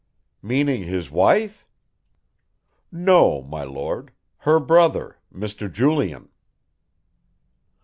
"Meaning his wife?" "No, my Lord her brother, Mr. Julian."